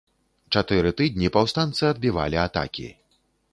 Чатыры тыдні паўстанцы адбівалі атакі.